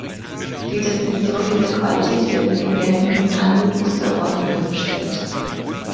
Die Definition dieser Qualität wird in den geltenden Anwendungsverordnungen bestimmt.